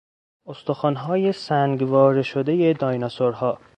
استخوانهای سنگواره شدهی دایناسورها